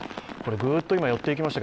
ぐーっと今、寄っていきました